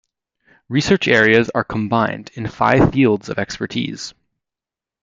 Research areas are combined in five fields of expertise.